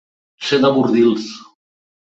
Ser de Bordils.